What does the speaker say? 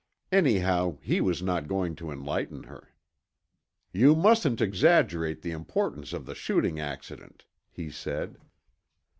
Anyhow, he was not going to enlighten her. "You mustn't exaggerate the importance of the shooting accident," he said.